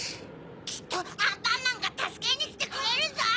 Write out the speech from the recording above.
きっとアンパンマンがたすけにきてくれるゾウ！